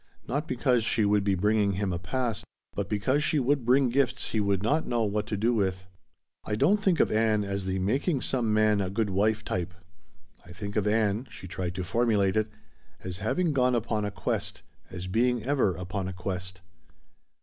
Not because she would be bringing him a "past," but because she would bring gifts he would not know what to do with. "I don't think of Ann as the making some man a good wife type. I think of Ann," she tried to formulate it, "as having gone upon a quest, as being ever upon a quest."